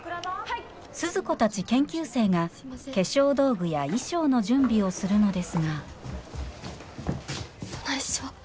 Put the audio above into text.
鈴子たち研究生が化粧道具や衣装の準備をするのですがどないしよ。